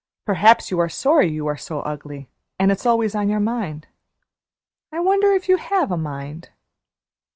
Perhaps you are sorry you are so ugly, and it's always on your mind. I wonder if you have a mind?"